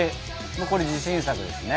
これ自信作ですね。